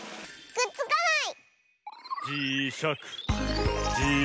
くっつかない！